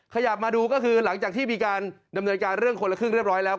ขยับมาดูก็คือหลังจากที่มีการดำเนินการเรื่องคนละครึ่งเรียบร้อยแล้ว